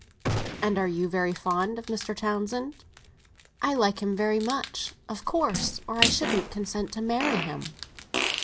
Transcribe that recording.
"And are you very fond of Mr. Townsend?" "I like him very much, of course—or I shouldn't consent to marry him."